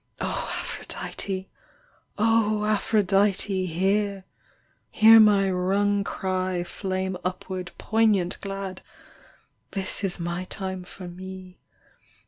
O Aphrodite ! Aphrodite, hear ! Hear my wrung cry flame upward poignant glad. ... This is my time for me.